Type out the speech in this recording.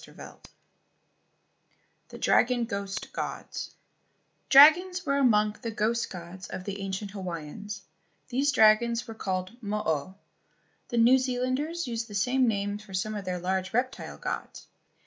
256 DESCRIPTION THE DRAGON GHOST GODS Dragons were among the ghost gods of the ancient Hawaiians. These dragons were called mo o. The New Zealanders used the same names for some of their large reptile gods.